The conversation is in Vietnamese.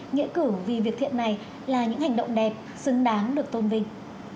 nghĩa cử vì việc thiện này là những hành động đẹp xứng đáng được tôn vinh